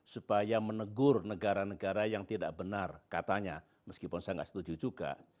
supaya menegur negara negara yang tidak benar katanya meskipun saya nggak setuju juga